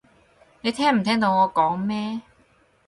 你聽唔聽到我講咩？